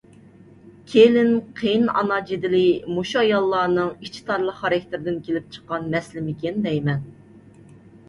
كېلىن-قېيىنئانا جېدىلى مۇشۇ ئاياللارنىڭ ئىچى تارلىق خاراكتېرىدىن كېلىپ چىققان مەسىلىمىكىن دەيمەن.